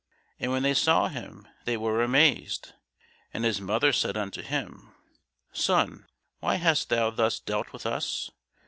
And when they saw him, they were amazed: and his mother said unto him, Son, why hast thou thus dealt with us?